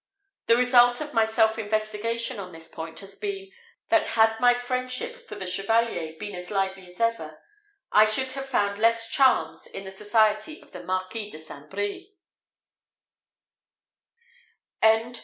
The result of my self investigation on this point has been, that had my friendship for the Chevalier been as lively as ever, I should have found less charms in the society of the Marquis de St. Brie.